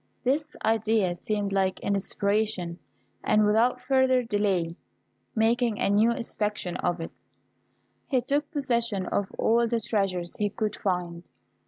This idea seemed like inspiration, and without further delay, making a new inspection of it, he took possession of all the treasures he could find.